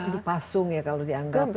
dipasung ya kalau dianggap